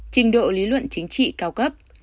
trình độ lý luận chính trị cao cấp